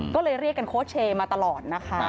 ก็เลยเรียกกันโค้ชเชมาตลอดนะคะ